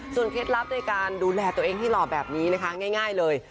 เคล็ดลับในการดูแลตัวเองให้หล่อแบบนี้นะคะง่ายเลย